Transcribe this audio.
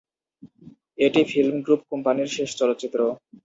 এটি ফিল্মগ্রুপ কোম্পানির শেষ চলচ্চিত্র।